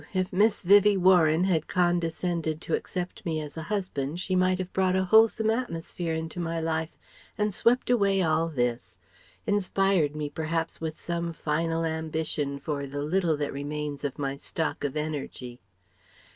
If Miss Vivie Warren had condescended to accept me as a husband she might have brought a wholesome atmosphere into my life and swept away all this ... inspired me perhaps with some final ambition for the little that remains of my stock of energy....